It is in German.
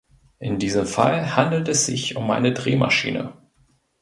In diesem Fall handelt es sich um eine Drehmaschine.